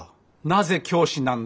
なぜ教師なんだ？